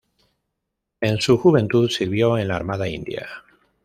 En su juventud, sirvió en la armada india.